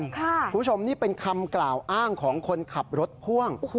คุณผู้ชมนี่เป็นคำกล่าวอ้างของคนขับรถพ่วง